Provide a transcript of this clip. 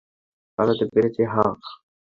পালাতে পেরেছ, হাহ?